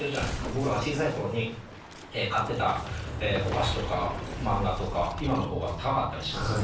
僕らが小さい頃に買ってたお菓子とか漫画とか今の方が高かったりしますよね。